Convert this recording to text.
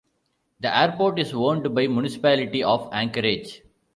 The airport is owned by Municipality of Anchorage.